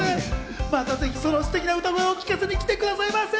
またぜひ、そのステキな歌声を聴かせに来てくださいませ。